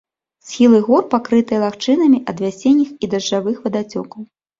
Схілы гор пакрытыя лагчынамі ад вясенніх і дажджавых вадацёкаў.